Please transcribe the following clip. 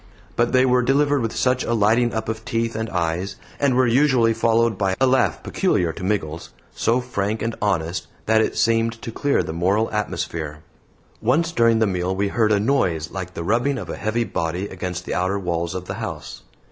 But they were delivered with such a lighting up of teeth and eyes, and were usually followed by a laugh a laugh peculiar to Miggles so frank and honest that it seemed to clear the moral atmosphere. Once during the meal we heard a noise like the rubbing of a heavy body against the outer walls of the house.